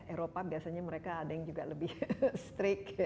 eropa biasanya mereka ada yang juga lebih strict